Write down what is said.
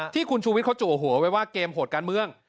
ที่คุณชูวิทยเขาจัวหัวไว้ว่าเกมโหดการเมือง